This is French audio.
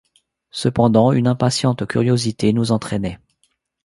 Cependant, une impatiente curiosité nous entraînait.